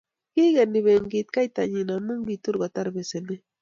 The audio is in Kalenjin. kicheny benkit kaitanyin amu kitur kotar besenet